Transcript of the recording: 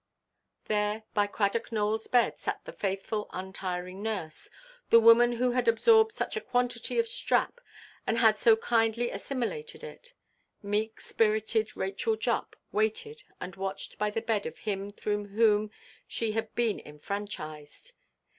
There, by Cradock Nowellʼs bed, sat the faithful untiring nurse, the woman who had absorbed such a quantity of strap, and had so kindly assimilated it. Meek–spirited Rachel Jupp waited and watched by the bed of him through whom she had been enfranchised.